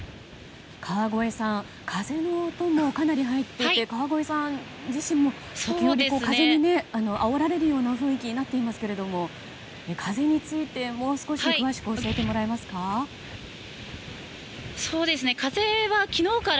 川越さん風の音もかなり入っていて川越さん自身も時折風にあおられるような雰囲気になっていますけれども風についてもう少し詳しく教えてもらえますか。